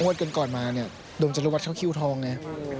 งวดกันก่อนมาเนี่ยโดมจะรู้ว่าเข้าคิวทองเนี่ย